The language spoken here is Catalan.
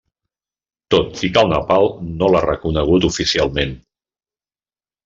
Tot i que el Nepal no l'ha reconegut oficialment.